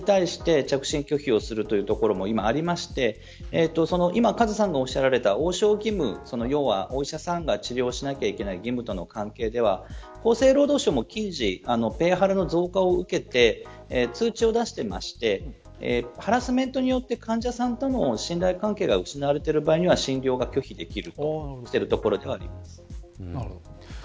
病院側も毅然な対応をする中でペイハラに対して着信拒否をするという所も今、ありましてカズさんがおっしゃられた応召義務お医者さんが治療しないといけない義務との関係では厚生労働省もペイハラの増加を受けて通知を出していましてハラスメントによって患者さんとの信頼関係が失われている場合には診療が拒否できる。